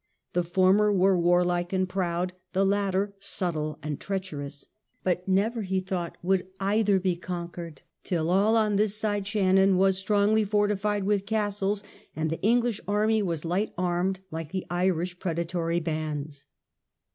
The former were warlike and proud, the latter subtle and treacherous. But never, he thought, would either be conquered till all on this side Shannon was strongly fortified with castles, and the English army was light armed like the Irish pre datory bands.